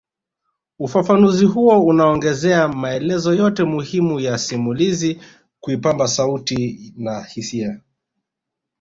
Ufafanuzi huo unaongeza maelezo yote muhimu ya simulizi kuipamba sauti na hisia